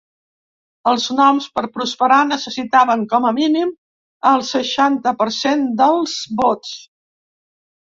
Els noms, per prosperar, necessitaven com a mínim el seixanta per cent dels vots.